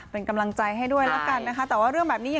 เป็นกำลังใจให้ด้วยแล้วกันนะคะแต่ว่าเรื่องแบบนี้